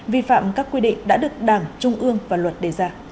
vi phạm các quy định đã được đảng trung ương và luật đề ra